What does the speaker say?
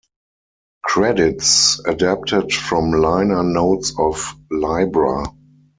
Credits adapted from liner notes of "Libra".